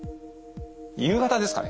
「夕方」ですかね？